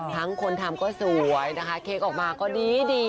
คนทำก็สวยนะคะเค้กออกมาก็ดี